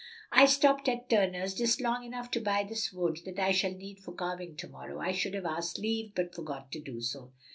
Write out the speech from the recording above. "I stopped at Turner's just long enough to buy this wood that I shall need for carving to morrow. I should have asked leave, but forgot to do so."